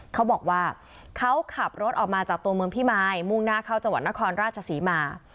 เขาบอกว่าเขาขับรถออกมาจากตัวเมืองพิมายมุ่งหน้าเข้าจังหวัดนครราชศรีมา